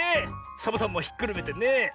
サボさんもひっくるめてね。